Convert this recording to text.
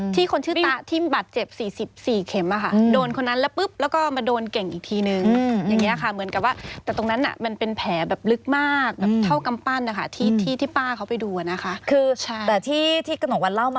ที่คนชื่อต้าที่บัตร